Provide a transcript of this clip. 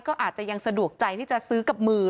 ก็อาจจะยังสะดวกใจที่จะซื้อกับมือ